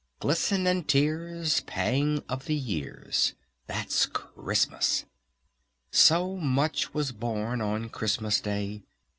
"Glisten and Tears, Pang of the years." That's Christmas! So much was born on Christmas Day!